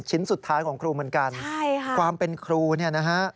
ชิ้นสุดท้ายของครูเหมือนกันความเป็นครูนี่นะฮะใช่ค่ะ